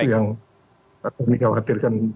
itu yang kami khawatirkan